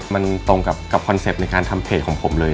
มันตรงกับคอนเซ็ปต์ในการทำเพจของผมเลย